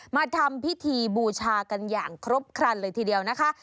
มาทำพิธีบูชากันอย่างครบครันเลยทีเดียวนะคะ